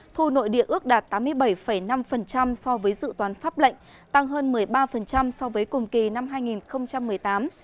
thu nội địa ước đạt tám mươi bảy năm so với dự toán pháp lệnh tăng hơn một mươi ba so với cùng kỳ năm hai nghìn một mươi tám